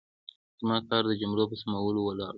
زما کار د جملو په سمولو ولاړ و.